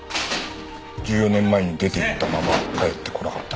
１４年前に出て行ったまま帰ってこなかった。